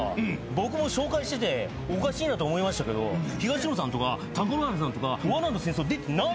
僕も紹介してておかしいなと思いましたけど東野さんとか貴乃花さんとか『罠の戦争』出てないじゃないですか。